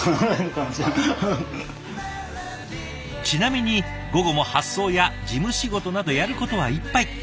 ちなみに午後も発送や事務仕事などやることはいっぱい。